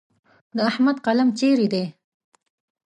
د احمد قلم چیرې دی؟